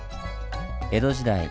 江戸時代